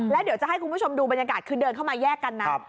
แล้วเดี๋ยวจะให้คุณผู้ชมดูบรรยากาศคือเดินเข้ามาแยกกันนะ